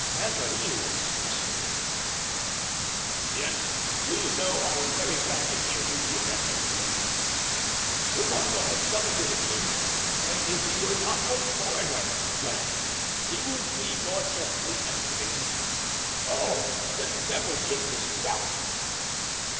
Mazarin especially——" "Yes, do you know, I am very glad to hear you give that testimony; the cardinal has some good in him, and if he were not a foreigner—well, he would be more justly estimated. Oh! the devil take this gout!"